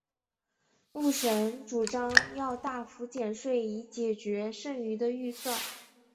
布什主张要大幅减税以解决剩余的预算。